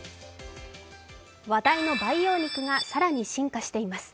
話題の培養肉が更に進化しています。